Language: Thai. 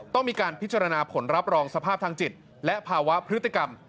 ต้องมีการพิจารณาผลรับรองสภาพทางจิตและภาวะพฤติกรรม